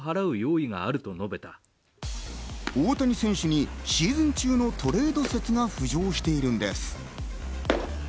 大谷選手にシーズン中のトレード説が浮上しているんです。